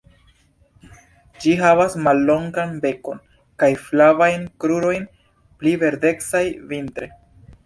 Ĝi havas mallongan bekon kaj flavajn krurojn -pli verdecaj vintre-.